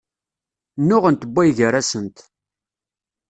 Nnuɣent wway-gar-asent.